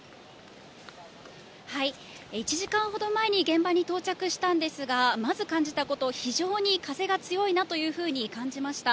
１時間ほど前に現場に到着したんですが、まず感じたこと、非常に風が強いなというふうに感じました。